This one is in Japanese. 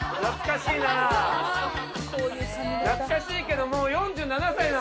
懐かしいけどもう４７歳。